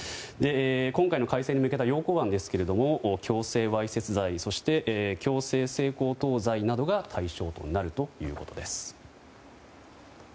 今回の改正に向けた要綱案ですが強制わいせつ罪、そして強制性交等罪などが対象となるということです。